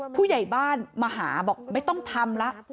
ผู้ใหญ่บ้านมาหาบอกไม่ต้องทำละ